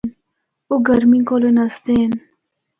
او گرمی کولو نسدے ہن۔